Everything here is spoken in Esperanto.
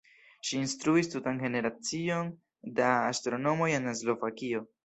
Ŝi instruis tutan generacion da astronomoj en Slovakio.